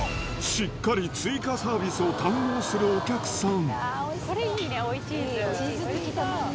しっかり追加サービスを堪能するお客さん。